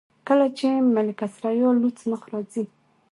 کله چې ملکه ثریا لوڅ مخ راځي.